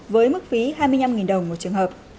với mức phí hai mươi năm đồng một trường hợp